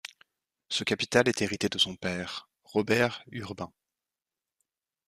Ce capital est hérité de son père, Robert Hurbain.